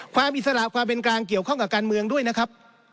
อิสระความเป็นกลางเกี่ยวข้องกับการเมืองด้วยนะครับ